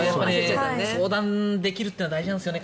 相談できるってのが大事なんですよね